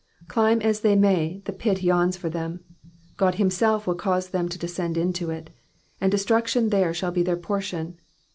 Climb as they may, the pit yawns for them, God himself will cause them to descend into it, and destruction there shall be their portion.